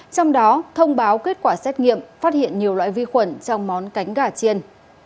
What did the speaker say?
trong đó thông báo kết quả xét nghiệm phát hiện nhiều loại vi khuẩn trong món cánh gà chiên